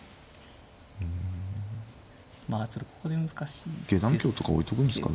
まあちょっとここで難しいですけど。